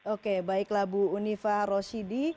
oke baiklah bu unifa roshidi